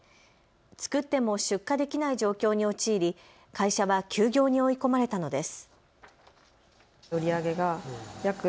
作っても出荷できない状況に陥り会社は休業に追い込まれたのです。